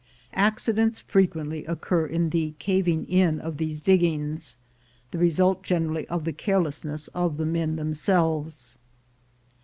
Accidents frequently occur from the "caving in" of these dig gings, the result generally of the carelessness of the men themselves.